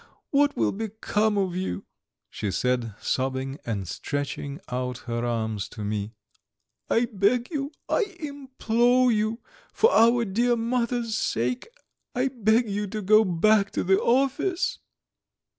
What will become of you?" she said, sobbing and stretching out her arms to me. "I beg you, I implore you, for our dear mother's sake, I beg you to go back to the office!"